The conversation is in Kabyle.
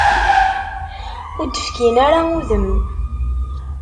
Ur d-fkin ara udem.